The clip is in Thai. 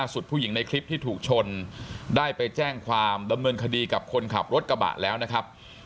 ผู้หญิงในคลิปที่ถูกชนได้ไปแจ้งความดำเนินคดีกับคนขับรถกระบะแล้วนะครับ